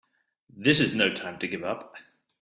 This is no time to give up!